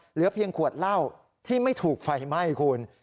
เหลือเพียงขวดเหล้าที่ไม่ถูกไฟไหม้คุณ